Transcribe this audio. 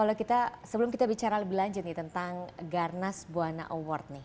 pak sebelum kita bicara lebih lanjut tentang garnas buana award